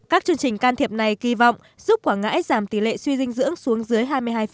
các chương trình can thiệp này kỳ vọng giúp quảng ngãi giảm tỷ lệ suy dinh dưỡng xuống dưới hai mươi hai